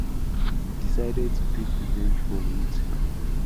He decided to take revenge for it.